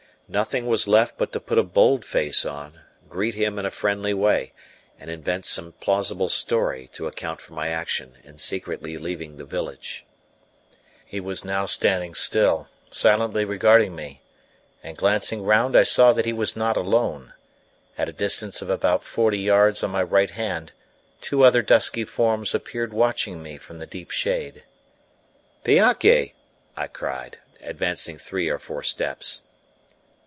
Nothing was left but to put a bold face on, greet him in a friendly way, and invent some plausible story to account for my action in secretly leaving the village. He was now standing still, silently regarding me, and glancing round I saw that he was not alone: at a distance of about forty yards on my right hand two other dusky forms appeared watching me from the deep shade. "Piake!" I cried, advancing three or four steps.